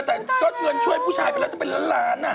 แต่ก็เงินช่วยผู้ชายไปแล้วจะเป็นล้านล้าน